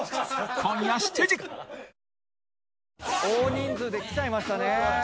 大人数で来ちゃいましたね。